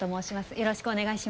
よろしくお願いします。